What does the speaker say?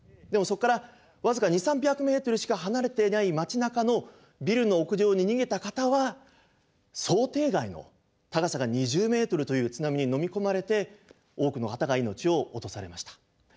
でもそこから僅か２００３００ｍしか離れていない町なかのビルの屋上に逃げた方は想定外の高さが２０ｍという津波にのみ込まれて多くの方が命を落とされました。